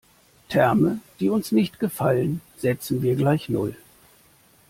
Terme, die uns nicht gefallen, setzen wir gleich null.